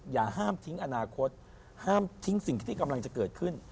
อย่าห้ามทิ้งอนาคตห้ามทิ้งสิ่งที่กำลังจะเกิดขึ้น